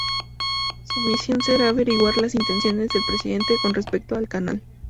Su misión será averiguar las intenciones del presidente con respecto al canal.